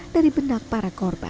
dari benda para korban